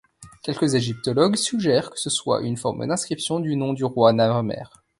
Quelques égyptologues suggèrent que ce soit une forme d'inscription du nom du roi Narmer.